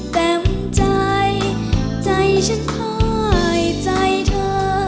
เต็มใจใจฉันคอยใจเธอ